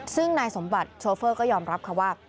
ซึ่งนายสมบัติโชเฟอร์ก็ยอมรับค่ะว่า